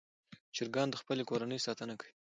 چرګان د خپلې کورنۍ ساتنه کوي.